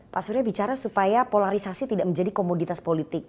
pak surya bicara supaya polarisasi tidak menjadi komoditas politik